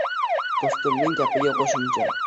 Do‘stimning gapiga qo‘shimcha: